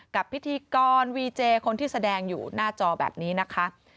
พิธีกรวีเจคนที่แสดงอยู่หน้าจอแบบนี้นะคะ